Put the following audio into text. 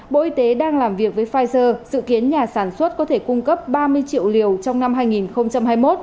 bộ y tế đang làm việc với pfizer dự kiến nhà sản xuất có thể cung cấp ba mươi triệu liều trong năm hai nghìn hai mươi một